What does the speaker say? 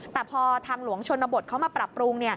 แต่พอทางหลวงชนบทเขามาปรับปรุง